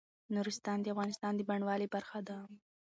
نورستان د افغانستان د بڼوالۍ برخه ده.